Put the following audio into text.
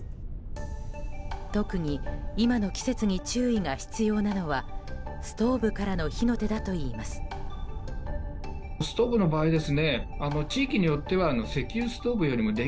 特に今の季節に注意が必要なのはストーブからの火の手だといいます。